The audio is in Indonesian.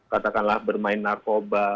katakanlah bermain narkoba